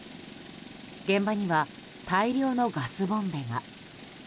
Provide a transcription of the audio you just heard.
現場には、大量のガスボンベが。